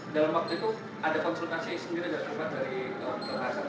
dalam waktu itu ada konsultasi sendiri ada tempat dari pak bapak